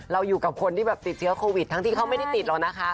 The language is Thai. อยู่กับคนที่แบบติดเชื้อโควิดทั้งที่เขาไม่ได้ติดหรอกนะคะ